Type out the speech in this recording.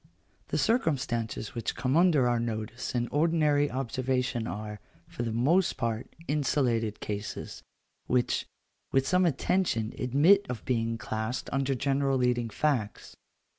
The circumstances which come under our notice in ordinary observation are, for the most part, insulated cases, which, with some attention, admit of being classed under general leading facts.